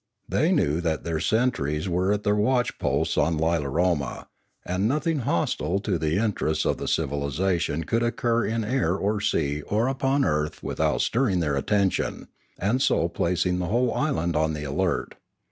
They knew that their sentries were at their watch posts on Li 1 aroma, and nothing hostile to the interests of the civilisation could occur in air or sea or upon earth with out stirring their attention, and so placing the whole island on the alert.